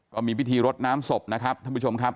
ก็มีพิธีรดน้ำศพนะครับท่านผู้ชมครับ